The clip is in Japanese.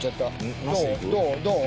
どう？